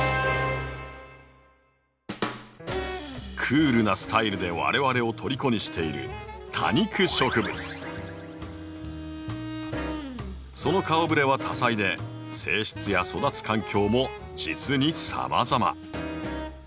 クールなスタイルで我々をとりこにしているその顔ぶれは多彩で性質や育つ環境も実にさまざま。